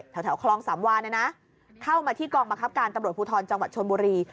แถวคลองสามวาเนี่ยนะเข้ามาที่กองบังคับการตำรวจภูทรจังหวัดชนบุรี